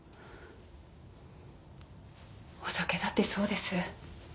お酒だってそうです。